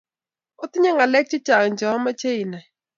Otinye ngalek chechang che omoche inai